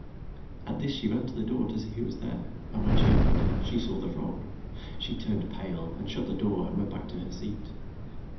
At this she ran to the door to see who was there, and when she o pened it, she saw the frog. She turned pale, and shut the door, and went back to her seat.